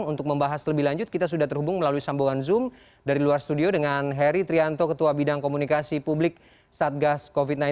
untuk membahas lebih lanjut kita sudah terhubung melalui sambungan zoom dari luar studio dengan heri trianto ketua bidang komunikasi publik satgas covid sembilan belas